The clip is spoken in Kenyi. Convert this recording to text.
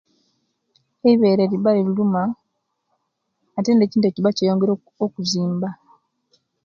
Eibere liba liruma ate ekintu ekyo kiba kiyambire okuzimba